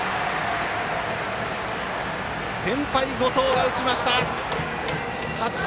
先輩・後藤が打ちました！